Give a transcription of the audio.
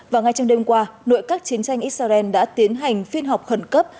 và ngay trong đêm qua nội các chiến tranh israel đã tiến hành phiên họp khẩn cấp